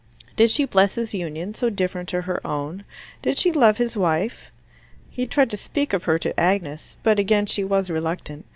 Did she bless his union, so different to her own? Did she love his wife? He tried to speak of her to Agnes, but again she was reluctant.